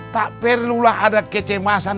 tak perlu lah ada kecemasan